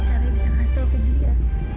siapa yang bisa ngasih tau ke dia